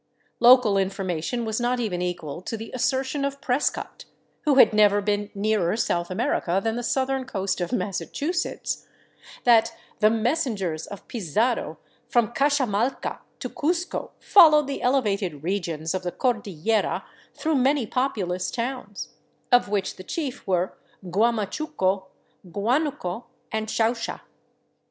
Local information was not even equal to the assertion of Prescott — 270 DRAWBACKS OF THE TRAIL who had never been nearer South America than the southern coast of ^Massachusetts — that " the messengers of Pizarro from Caxamalca to Cuzco followed the elevated regions of the Cordillera through many populous towns, of which the chief were Guamachuco, Guanuco,.and Xauxa."